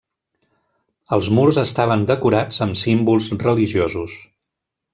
Els murs estaven decorats amb símbols religiosos.